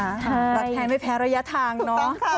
รักแท้ไม่แพ้ระยะทางเนาะ